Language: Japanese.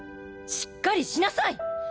しっかりしなさい！